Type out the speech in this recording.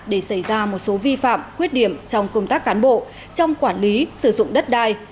để xảy ra một số vi phạm khuyết điểm trong công tác cán bộ trong quản lý sử dụng đất đai